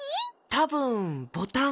たぶんボタン。